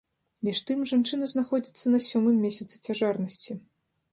Між тым, жанчына знаходзіцца на сёмым месяцы цяжарнасці.